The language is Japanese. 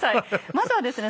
まずはですね。